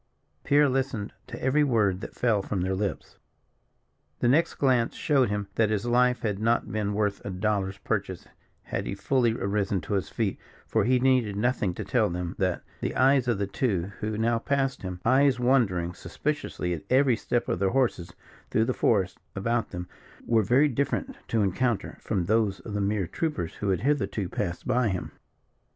Pierre listened to every word that fell from their lips. The next glance showed him that his life had not been worth a dollar's purchase had he fully arisen to his feet, for he needed nothing to tell him that the eyes of the two who now passed him eyes wandering suspiciously at every step of their horses through the forest about them were very different to encounter from those of the mere troopers who had hitherto passed by him.